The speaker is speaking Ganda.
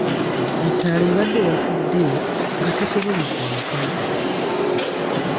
Ettaala ebadde yafudde, nga tesobola kwaka.